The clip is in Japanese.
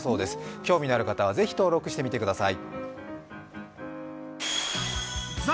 興味のある方はぜひ登録してみてください。